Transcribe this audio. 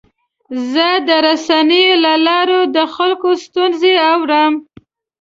زه د رسنیو له لارې د خلکو ستونزې اورم.